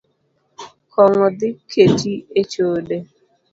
Kong’o dhi keti echode